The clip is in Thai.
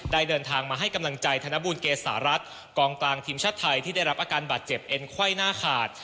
เดินทางมาให้กำลังใจธนบูลเกษารัฐกองกลางทีมชาติไทยที่ได้รับอาการบาดเจ็บเอ็นไขว้หน้าขาด